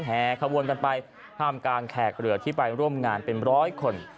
แห่ขวนกันไปห้ามกางแขกเหลือที่ไปร่วมงานเป็น๑๐๐คน